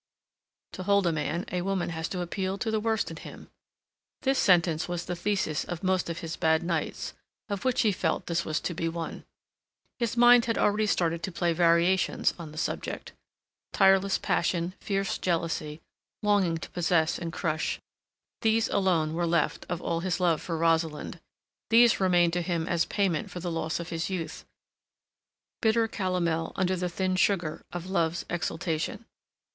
"To hold a man a woman has to appeal to the worst in him." This sentence was the thesis of most of his bad nights, of which he felt this was to be one. His mind had already started to play variations on the subject. Tireless passion, fierce jealousy, longing to possess and crush—these alone were left of all his love for Rosalind; these remained to him as payment for the loss of his youth—bitter calomel under the thin sugar of love's exaltation.